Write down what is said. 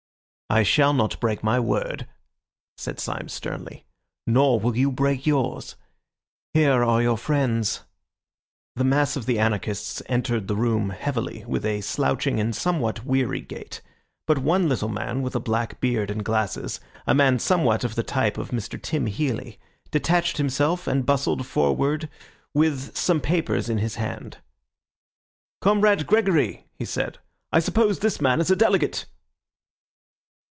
"I shall not break my word," said Syme sternly, "nor will you break yours. Here are your friends." The mass of the anarchists entered the room heavily, with a slouching and somewhat weary gait; but one little man, with a black beard and glasses—a man somewhat of the type of Mr. Tim Healy—detached himself, and bustled forward with some papers in his hand. "Comrade Gregory," he said, "I suppose this man is a delegate?"